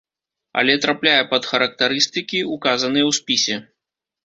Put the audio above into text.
Але трапляе пад характарыстыкі, указаныя ў спісе.